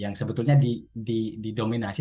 yang sebetulnya didominasi